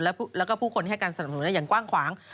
แล้วก็ผู้คนให้การสนับสนุนได้อย่างกว้างขวาง